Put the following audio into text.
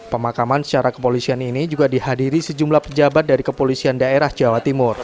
pemakaman secara kepolisian ini juga dihadiri sejumlah pejabat dari kepolisian daerah jawa timur